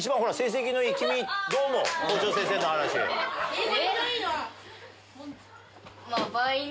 えっ。